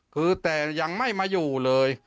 คือแต่ยังไม่มาอยู่เลย